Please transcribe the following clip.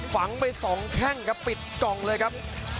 ฝังไป๒แข้งครับปิดกล่องเลยครับ